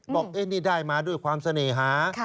บอกนี่ได้มาด้วยความเสน่หา